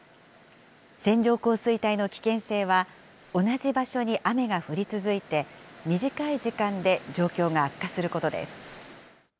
線状降水帯の危険性は、同じ場所に雨が降り続いて、短い時間で状況が悪化することです。